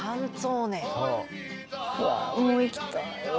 もう行きたいわ。